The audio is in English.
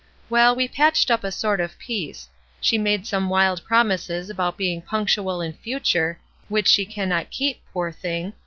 Well, we patched up a sort of peace; she made some wild promises about being punctual in future, which she cannot keep, poor thing!